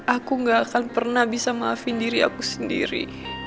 aku gak akan pernah bisa maafin diri aku sendiri